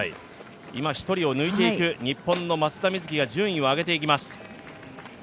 今１人抜いていく、日本の松田瑞生が順位を上げていきます。